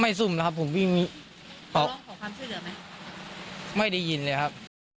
ซุ่มแล้วครับผมวิ่งขอร้องขอความช่วยเหลือไหมไม่ได้ยินเลยครับ